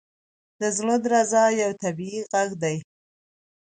• د زړه درزا یو طبیعي ږغ دی.